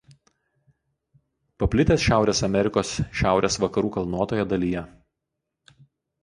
Paplitęs Šiaurės Amerikos šiaurės vakarų kalnuotoje dalyje.